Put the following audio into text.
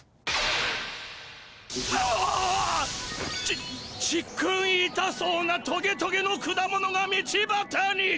ちっちっくんいたそうなトゲトゲの果物が道ばたに。